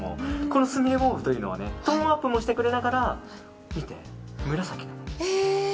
このスミレモーヴというのはトーンアップもしてくれながら見て、紫なの。